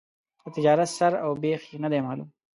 د تجارت سر او بېخ یې نه دي معلوم.